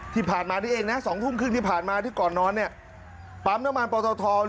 ที่ผ่านมานี่เองนะ๒ทุ่มครึ่งที่ผ่านมาที่ก่อนนอนเนี่ยปั๊มน้ำมันปอตทอง